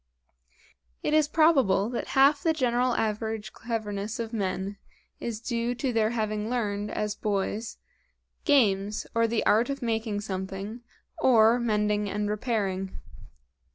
It is probable that half the general average cleverness of men is due to their having learned, as boys, games, or the art of making something, or mending and repairing.